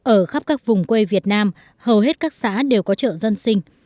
ở khắp các vùng quê việt nam hầu hết các xã đều có chợ dân sinh